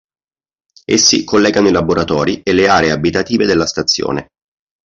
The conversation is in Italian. Essi collegano i laboratori e le aree abitative della stazione.